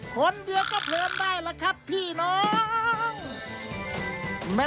คนเดียวก็เพลินได้ล่ะครับพี่น้อง